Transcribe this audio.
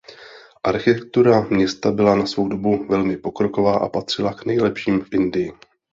Architektura města byla na svou dobu velmi pokroková a patřila k nejlepším v Indii.